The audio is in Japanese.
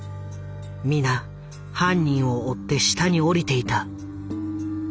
皆犯人を追って下に下りていた。